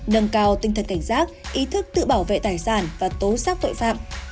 nâng cao tinh thần cảnh giác ý thức tự bảo vệ tài sản và tố xác tội phạm